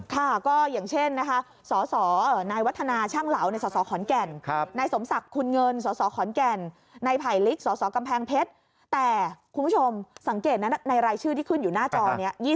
ค่าก็เช่นนะครับสตน็วทนาชั่งเหลาในสตขอนแก่นในสมศักดิ์คุณเงินสตขอนแก่นในผ่ายลิกสตกำแพงเบ็ดแต่คุณผู้ชมสังเกตนี้ในรายชื่อที่ขึ้นอยู่หน้าจอเนี่ย